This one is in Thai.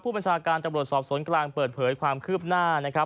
ผู้มันศาลการณ์ตำรวจสอบสวนกลางเปิดเผยความคืบหน้า